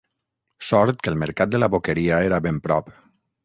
Sort que el mercat de la Boqueria era ben prop.